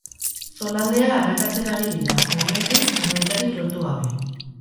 Zonaldea arakatzen ari dira, momentuz, emaitzarik lortu gabe.